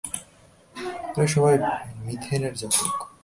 এরা সবাই মিথেনের জাতক।